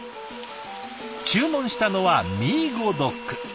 注文したのはミーゴドック。